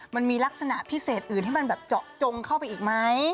มันมีลักษณะพิเศษอื่นให้มันแบบเจาะจงเข้าไปอีกไหม